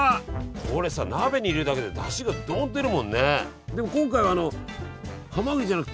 これさ鍋に入れるだけでだしがどんと出るもんね。